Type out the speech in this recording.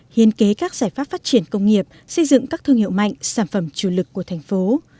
hiên kế các giải pháp phát triển công nghiệp xây dựng các thương hiệu mạnh sản phẩm chủ lực của thành phố